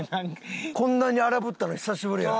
こんなに荒ぶったの久しぶりや。